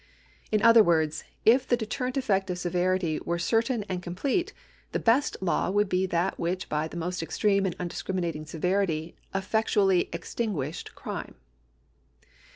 In other words, if the deterrent effect of severity were certain and complete, the best law would be that which by the most extreme and undiscriminating severity effectually extin guished crime.